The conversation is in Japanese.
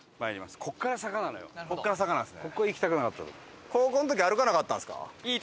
ここから坂なんですね。